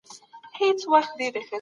خلک د سیاست په اړه بحثونه خوښوي.